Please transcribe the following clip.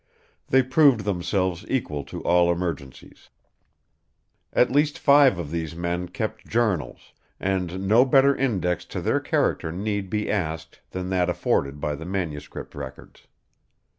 They proved themselves equal to all emergencies. At least five of these men kept journals, and no better index to their character need be asked than that afforded by the manuscript records.